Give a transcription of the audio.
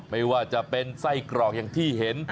ไม่ว่าจะเป็นไส้กรอกอย่างที่เห็น